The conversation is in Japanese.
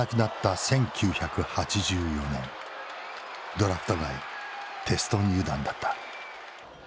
ドラフト外テスト入団だった。